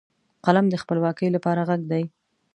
قلم د خپلواکۍ لپاره غږ دی